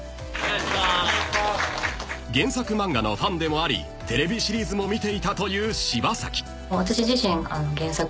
［原作漫画のファンでもありテレビシリーズも見ていたという柴咲］